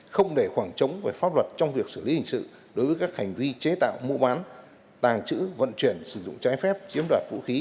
không để khoảng trống về pháp luật trong việc xử lý hình sự đối với các hành vi chế tạo mua bán tàng trữ vận chuyển sử dụng trái phép chiếm đoạt vũ khí